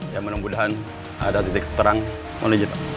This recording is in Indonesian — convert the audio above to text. ya menunggu menunggu ada titik terang mohon licin pak